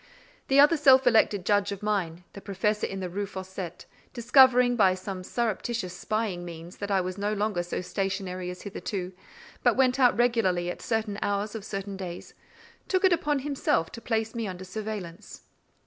That other self elected judge of mine, the professor in the Rue Fossette, discovering by some surreptitious spying means, that I was no longer so stationary as hitherto, but went out regularly at certain hours of certain days, took it upon himself to place me under surveillance.